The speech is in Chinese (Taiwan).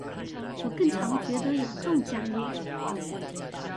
我更常覺得有中獎耶